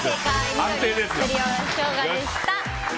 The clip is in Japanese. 緑のすりおろしショウガでした。